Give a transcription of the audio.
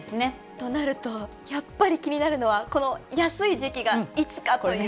となると、やっぱり気になるのはこの安い時期がいつかという。